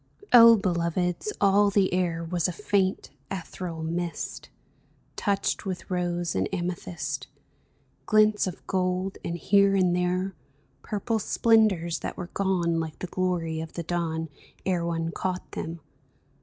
O beloveds, all the air Was a faint, ethereal mist Touched with rose and amethyst — Glints of gold, and here and there Purple splendors that were gone, Like the glory of the dawn. Ere one caught them.